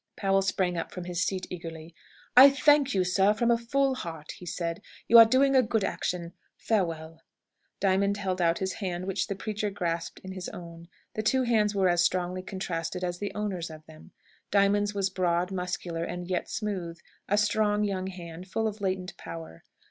Powell sprang up from his seat eagerly. "I thank you, sir, from a full heart," he said. "You are doing a good action. Farewell." Diamond held out his hand, which the preacher grasped in his own. The two hands were as strongly contrasted as the owners of them. Diamond's was broad, muscular, and yet smooth a strong young hand, full of latent power.